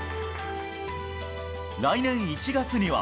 来年１月には。